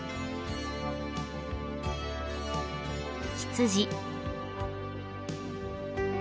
［羊］